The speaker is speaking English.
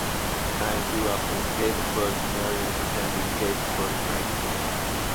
Hank grew up in Gaithersburg Maryland attending Gaithersburg High School.